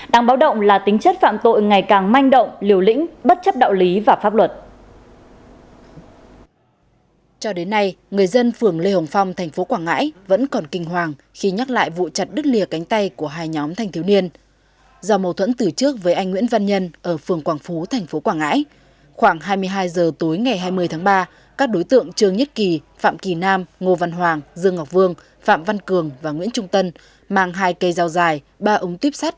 đang báo động là tính chất phạm tội ngày càng manh động liều lĩnh bất chấp đạo lý và pháp luật